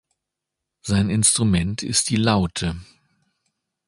Sein Instrument ist die Laute.